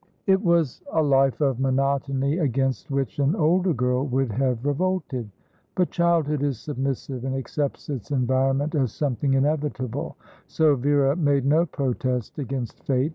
It was a life of monotony against which an older girl would have revolted; but childhood is submissive, and accepts its environment as something inevitable, so Vera made no protest against Fate.